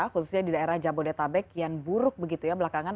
khususnya di daerah jabodetabek yang buruk begitu ya belakangan